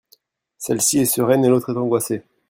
Celle-ci est sereine et l'autre est angoissée.